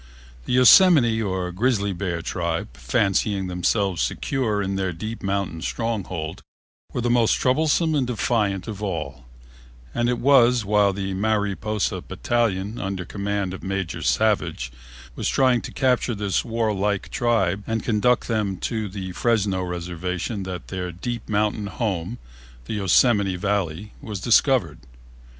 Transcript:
The Yosemite or Grizzly Bear tribe, fancying themselves secure in their deep mountain stronghold, were the most troublesome and defiant of all, and it was while the Mariposa battalion, under command of Major Savage, was trying to capture this warlike tribe and conduct them to the Fresno reservation that their deep mountain home, the Yosemite Valley, was discovered.